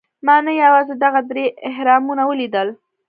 ما نه یوازې دغه درې اهرامونه ولیدل.